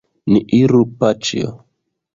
Ni iru, paĉjo.